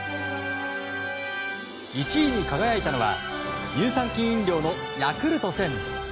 １位に輝いたのは乳酸菌飲料のヤクルト１０００。